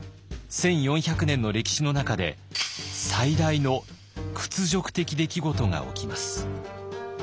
１，４００年の歴史の中で最大の屈辱的出来事が起きます。